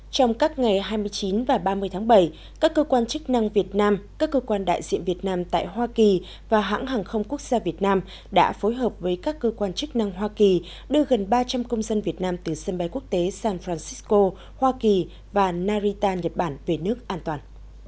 trong các ngày hai mươi chín và ba mươi tháng bảy các cơ quan chức năng việt nam các cơ quan đại diện việt nam tại hoa kỳ và hãng hàng không quốc gia việt nam đã phối hợp với các cơ quan chức năng hoa kỳ đưa gần ba trăm linh công dân việt nam từ sân bay quốc tế san francisco hoa kỳ và narita nhật bản về nước an toàn